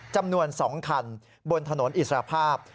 จำนวน๒คันบนถนนอิสรภาพ